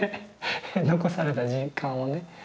残された時間をね